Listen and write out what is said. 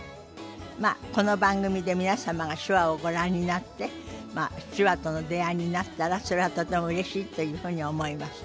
まあこの番組で皆様が手話をご覧になって手話との出会いになったらそれはとてもうれしいというふうに思います。